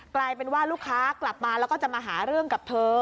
กลายเป็นว่าลูกค้ากลับมาแล้วก็จะมาหาเรื่องกับเธอ